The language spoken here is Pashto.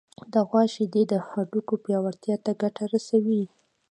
د غوا شیدې د هډوکو پیاوړتیا ته ګټه رسوي.